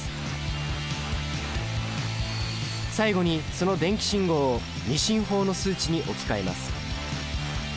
最後にその電気信号を２進法の数値に置き換えます。